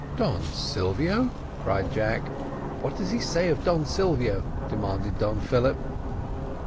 "Don Silvio!" cried Jack. "What does he say of Don Silvio?" demanded Don Philip.